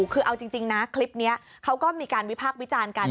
คือเอาจริงนะคลิปนี้เขาก็มีการวิพากษ์วิจารณ์กัน